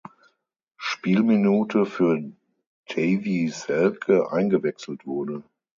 Spielminute für Davie Selke eingewechselt wurde.